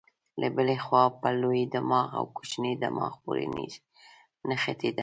له بلې خوا په لوی دماغ او کوچني دماغ پورې نښتې ده.